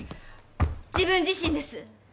自分自身です。